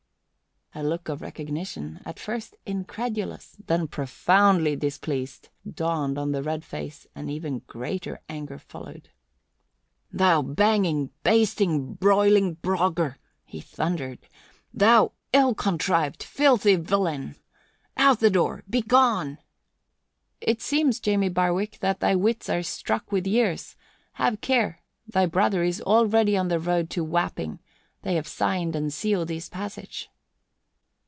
A look of recognition, at first incredulous, then profoundly displeased, dawned on the red face and even greater anger followed. "Thou banging, basting, broiling brogger!" he thundered. "Thou ill contrived, filthy villain! Out the door! Begone!" "It seems, Jamie Barwick, that thy wits are struck with years. Have care. Thy brother is already on the road to Wapping they have signed and sealed his passage."